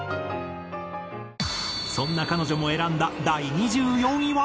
そんな彼女も選んだ第２４位は。